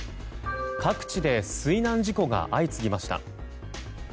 各地で水難事故が相次ぎました。